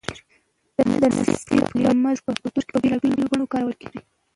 د نصیب کلمه زموږ په کلتور کې په بېلابېلو بڼو کارول کېږي.